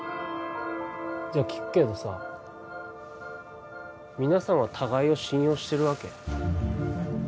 じゃあ聞くけどさ皆さんは互いを信用してるわけ？